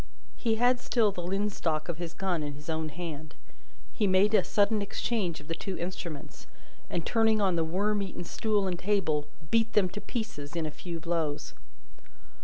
He had still the linstock of his gun in his own hand. He made a sudden exchange of the two instruments, and turning on the worm eaten stool and table, beat them to pieces in a few blows.